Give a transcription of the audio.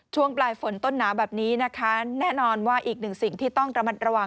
ช่วงปลายฝนต้นหนาวแบบนี้นะคะแน่นอนว่าอีกหนึ่งสิ่งที่ต้องระมัดระวัง